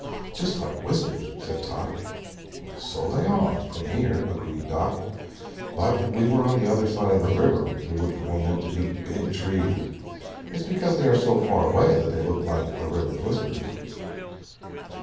"Just like whiskers," said Tot. "So they are, from here," agreed Dot; "but if we were on the other side of the river we would find them to be big trees. It's because they are so far away that they look like the river's whiskers."